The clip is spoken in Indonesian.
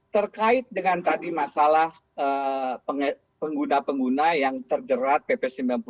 terkait dengan tadi masalah pengguna pengguna yang terjerat pp sembilan puluh tujuh